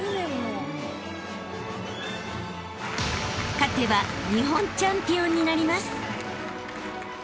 ［勝てば日本チャンピオンになります］